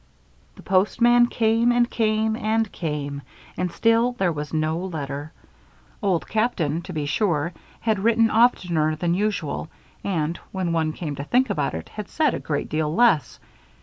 The postman came and came and came, and still there was no letter. Old Captain, to be sure, had written oftener than usual and, when one came to think about it, had said a great deal less.